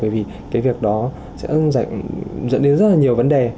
bởi vì cái việc đó sẽ dẫn đến rất là nhiều vấn đề